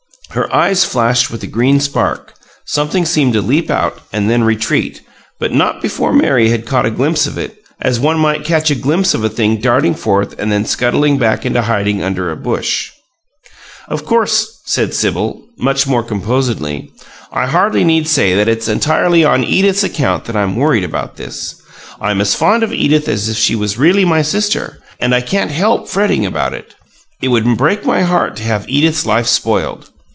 Her eyes flashed with a green spark; something seemed to leap out and then retreat, but not before Mary had caught a glimpse of it, as one might catch a glimpse of a thing darting forth and then scuttling back into hiding under a bush. "Of course," said Sibyl, much more composedly, "I hardly need say that it's entirely on Edith's account that I'm worried about this. I'm as fond of Edith as if she was really my sister, and I can't help fretting about it. It would break my heart to have Edith's life spoiled."